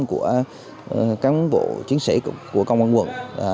của cán bộ chiến sĩ của công an quận